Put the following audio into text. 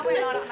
kepok karun ya